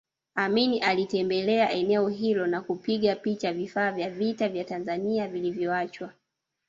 Amin alitembelea eneo hilo na kupiga picha vifaa vya vita vya Tanzania vilivyoachwa